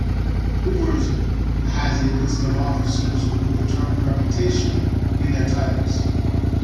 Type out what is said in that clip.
Hoover's has a list of officers with the term "reputation" in their titles.